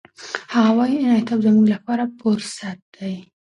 هغه وايي، انعطاف زموږ لپاره فرصت دی.